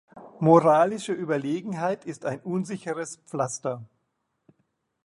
Moralische Überlegenheit ist ein unsicheres Pflaster.